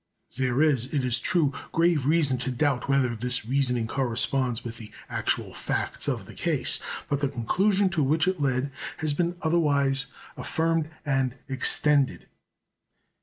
There is, it is true, grave reason to doubt whether this reasoning corresponds with the actual facts of the case; but the conclusion to which it led has been otherwise affirmed and extended.